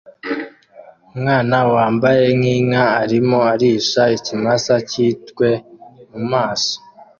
Umwana wambaye nkinka arimo arisha ikimasa cyitwe mumaso